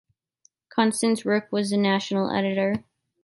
Constance Rourke was national editor.